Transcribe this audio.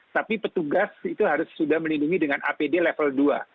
tapi petugas itu harus sudah melindungi dengan apd level dua